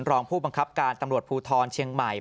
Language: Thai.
รองผู้บังคับการตำรวจภูทรเชียงใหม่